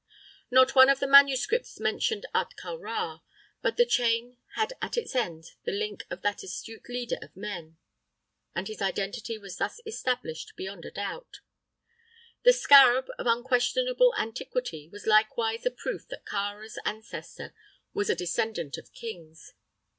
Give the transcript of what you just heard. Not one of the manuscripts mentioned Ahtka Rā; but the chain had at its end the link of that astute leader of men, and his identity was thus established beyond a doubt. The scarab, of unquestionable antiquity, was likewise a proof that Kāra's ancestor was a descendant of kings.